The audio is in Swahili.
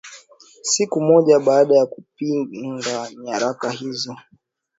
siku moja baada kupinga nyaraka hizo